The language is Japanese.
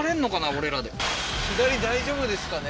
俺らで左大丈夫ですかね？